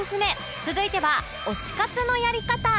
続いては推し活のやり方